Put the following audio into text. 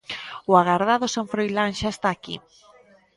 O agardado San Froilán xa está aquí.